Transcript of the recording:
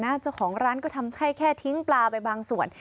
เจ้าของร้านก็ทำแค่ทิ้งปลาไปบางส่วน